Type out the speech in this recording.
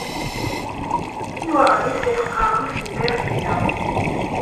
Anwa aɣmis i teqqaṛemt ugar n wiyaḍ?